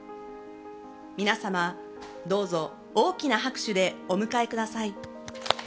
皆様、どうぞ大きな拍手でお迎えください。